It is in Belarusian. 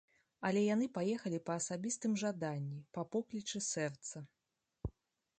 Але яны паехалі па асабістым жаданні, па поклічы сэрца.